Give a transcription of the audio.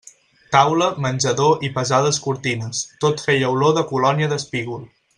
Taula, menjador i pesades cortines, tot feia olor de colònia d'espígol.